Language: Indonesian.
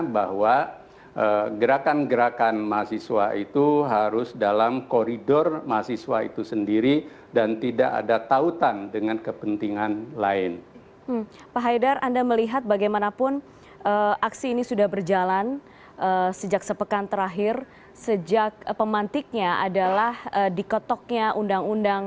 bersama bapak bapak sekalian